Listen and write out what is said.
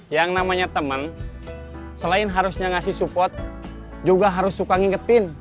yang namanya teman selain harusnya ngasih support juga harus suka ngingetin